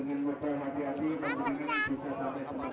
enggak sekolah hari sekarang